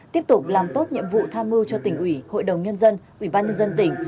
tiếp tục làm tốt nhiệm vụ tham mưu cho tỉnh ủy hội đồng nhân dân ủy ban nhân dân tỉnh